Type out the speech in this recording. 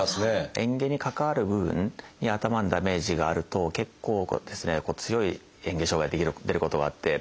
えん下に関わる部分に頭にダメージがあると結構強いえん下障害が出ることがあって。